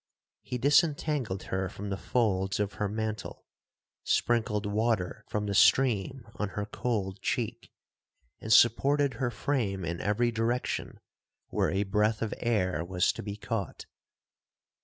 He disentangled her from the folds of her mantle, sprinkled water from the stream on her cold cheek, and supported her frame in every direction where a breath of air was to be caught.